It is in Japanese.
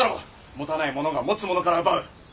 持たない者が持つ者から奪う。